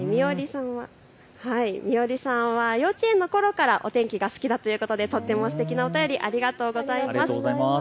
みおりさんは幼稚園のころからお天気が好きだということでとっても素敵なお便り、ありがとうございます。